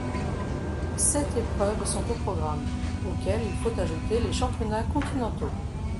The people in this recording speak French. Sept épreuves sont au programme, auxquelles il faut ajouter les championnats continentaux.